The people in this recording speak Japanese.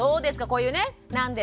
こういうねなんで？